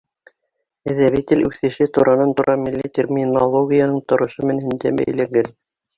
Әҙәби тел үҫеше туранан-тура милли терминологияның торошо менән дә бәйләнгән.